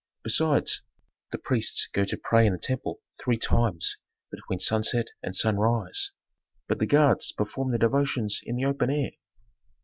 Besides, the priests go to pray in the temple three times between sunset and sunrise, but the guards perform their devotions in the open air.